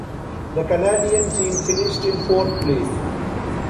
The Canadian team finished in fourth place.